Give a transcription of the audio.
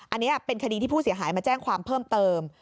อันนี้เป็นคดีที่ผู้เสียหายมาแจ้งความเพิ่มเติม